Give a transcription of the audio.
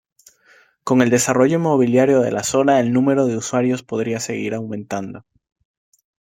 Con el desarrollo inmobiliario de la zona el número de usuarios podría seguir aumentando.